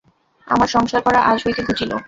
আমার সংসার করা আজ হইতে ঘুচিল।